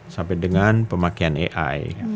sampai dengan pemakaian e sports